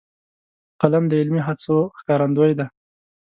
قلم د علمي هڅو ښکارندوی دی